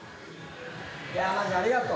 いやマジありがとう。